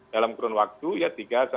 dalam kurun waktu ya